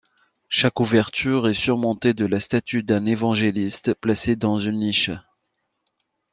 Chaque ouverture est surmontée de la statue d'un Évangéliste, placée dans une niche.